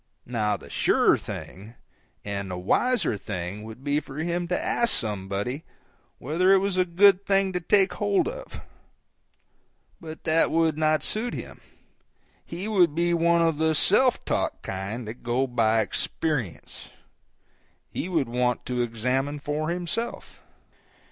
Now the surer thing and the wiser thing would be for him to ask somebody whether it was a good thing to take hold of. But that would not suit him; he would be one of the self taught kind that go by experience; he would want to examine for himself.